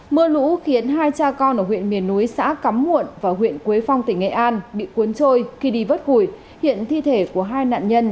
mưa lũ khiến hai cha con ở huyện miền núi xã cắm muộn và huyện quế phong tỉnh nghệ an bị cuốn trôi khi đi vớt hùi hiện thi thể của hai nạn nhân